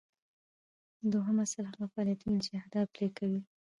دوهم اصل هغه فعالیتونه دي چې اهداف پلي کوي.